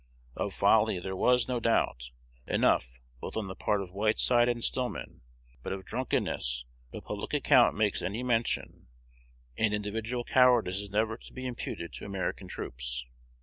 Of folly, there was, no doubt, enough, both on the part of Whiteside and Stillman; but of drunkenness no public account makes any mention, and individual cowardice is never to be imputed to American troops.